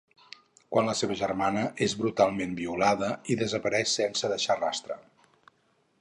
Quan la seva germana és brutalment violada i desapareix sense deixar rastre.